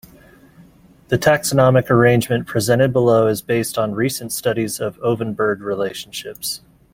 The taxonomic arrangement presented below is based on recent studies of ovenbird relationships.